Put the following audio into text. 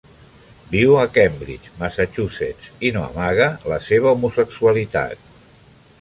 Viu a Cambridge, Massachusetts, i no amaga la seva homosexualitat.